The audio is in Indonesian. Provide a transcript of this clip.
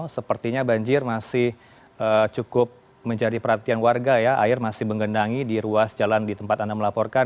sepertinya banjir masih cukup menjadi perhatian warga ya air masih menggendangi di ruas jalan di tempat anda melaporkan